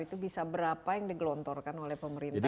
itu bisa berapa yang digelontorkan oleh pemerintah